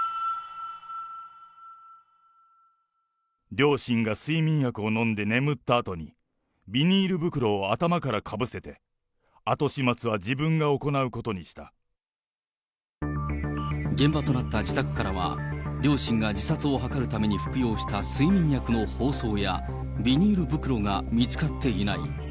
両親が睡眠薬を飲んで眠ったあとに、ビニール袋を頭からかぶせて、現場となった自宅からは、両親が自殺を図るために服用した睡眠薬の包装や、ビニール袋が見つかっていない。